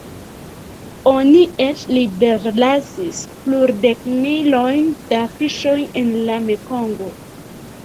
Oni eĉ liberlasis plurdekmilojn da fiŝoj en la Mekongo.